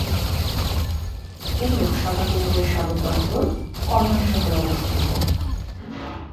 এই লোকসভা কেন্দ্রের সদর দফতর কল্যাণ শহরে অবস্থিত।